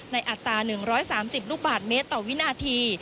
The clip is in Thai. อัตรา๑๓๐ลูกบาทเมตรต่อวินาที